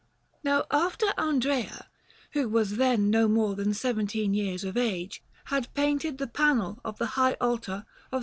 Now after Andrea, who was then no more than seventeen years of age, had painted the panel of the high altar of S.